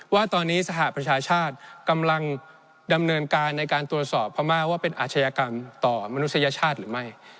ว่าตอนนี้สหประชาชาติกำลังดำเนินการในการตรวจสอบพม่าว่าเป็นอาชญากรรมต่อมนุษยชาติหรือไม่